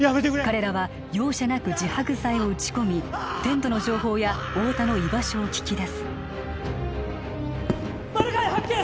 彼らは容赦なく自白剤を打ち込みテントの情報や太田の居場所を聞き出すマルガイ発見！